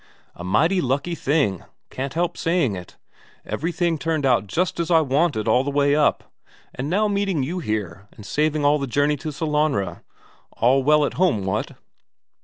"A mighty lucky thing can't help saying it. Everything turned out just as I wanted all the way up, and now meeting you here and saving all the journey to Sellanraa. All well at home, what?"